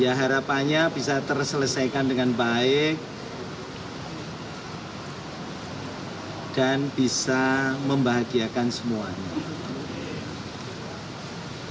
ya harapannya bisa terselesaikan dengan baik dan bisa membahagiakan semuanya